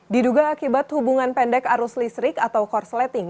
diduga akibat hubungan pendek arus listrik atau korsleting